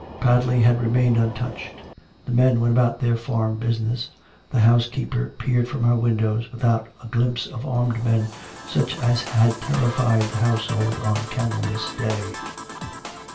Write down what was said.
Padley had remained untouched; the men went about their farm busi ness; the housekeeper peered from her windows, without a glimpse of armed men such as had terrified the household on Candlemas day.